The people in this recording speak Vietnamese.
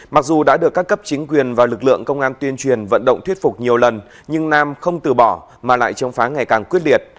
mặc dù đã được các cấp chính quyền và lực lượng công an tuyên truyền vận động thuyết phục nhiều lần nhưng nam không từ bỏ mà lại chống phá ngày càng quyết liệt